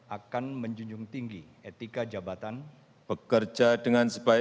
akan menjunjung tinggi etika jabatan